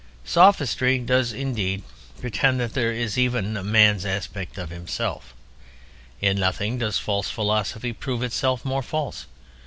Sophistry does indeed pretend that there is even a man's "aspect" of himself. In nothing does false philosophy prove itself more false.